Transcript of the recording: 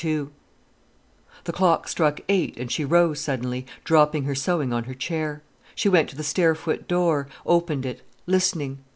II The clock struck eight and she rose suddenly, dropping her sewing on her chair. She went to the stairfoot door, opened it, listening.